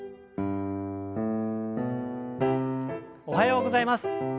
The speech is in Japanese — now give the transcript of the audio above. おはようございます。